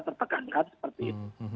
terpekan kan seperti itu